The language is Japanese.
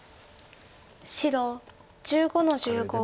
白１５の十五。